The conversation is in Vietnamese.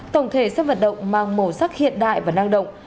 tổng thể sân vận động mang màu sắc hiện đại và năng động